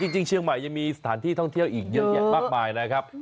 จริงเชียงใหม่ยังมีสถานที่ท่องเที่ยวอีกเยอะแยะมากมายนะครับ